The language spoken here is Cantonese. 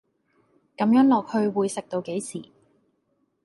咁樣落去會食到幾時